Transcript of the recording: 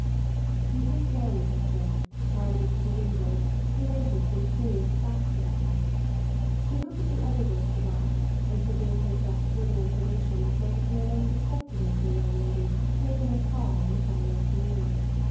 He took down the picture, carried it toward the window, related some curious facts about it. She looked at the other works of art, and he gave her such further information as might appear most acceptable to a young lady making a call on a summer afternoon.